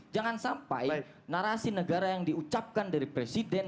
jangan sampai narasi negara yang diucapkan dari presiden